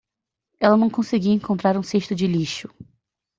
Ela não conseguia encontrar um cesto de lixo.